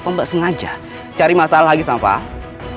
apa mbak sengaja cari masalah lagi sama pak